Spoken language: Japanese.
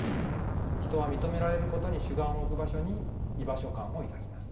人は認められることに主眼を置く場所に居場所感を抱きます。